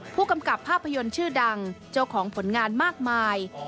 ผู้กำกับภาพยนตร์ชื่อดังเจ้าของผลงานมากมาย